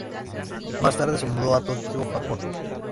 Más tarde se mudó a Tokio, Japón.